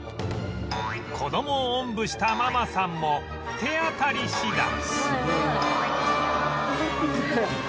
子どもをおんぶしたママさんも手当たり次第